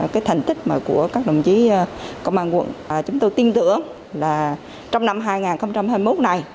cái thành tích mà của các đồng chí công an quận chúng tôi tin tưởng là trong năm hai nghìn hai mươi một này